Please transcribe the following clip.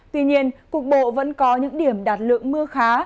tuy nhiên cục bộ vẫn có những điểm đạt lượng mưa khá